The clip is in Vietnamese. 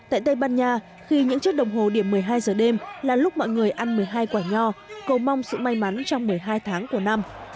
tại tây ban nha khi những chiếc đồng hồ điểm một mươi hai giờ đêm là lúc mọi người ăn một mươi hai quả nho cầu mong sự may mắn trong một mươi hai tháng của năm